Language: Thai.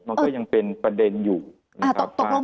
มันก็ยังเป็นประเด็นอยู่นะครับว่า